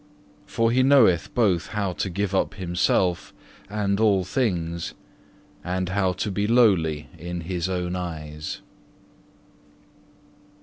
For he knoweth both how to give up himself and all things, and how to be lowly in his own eyes.